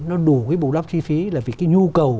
nó đủ cái bù đắp chi phí là vì cái nhu cầu